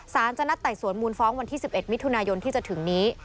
สารจะนัดไต่สวนมูลฟ้องวันที่๑๑มิถุนายนที่จะถึงนี้